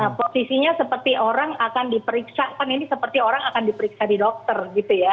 nah posisinya seperti orang akan diperiksa kan ini seperti orang akan diperiksa di dokter gitu ya